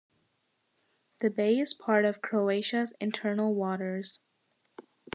The bay is a part of Croatia's internal waters.